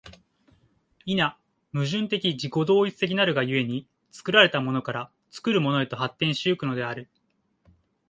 否、矛盾的自己同一的なるが故に、作られたものから作るものへと発展し行くのである。